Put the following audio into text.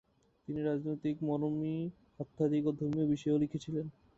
তিনি রাজনৈতিক, মরমী, আধ্যাত্মিক এবং ধর্মীয় বিষয়েও লিখেছিলেন।